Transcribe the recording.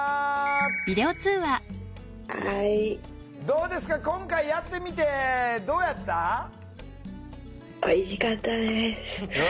どうですか今回やってみてどうやった？よかった。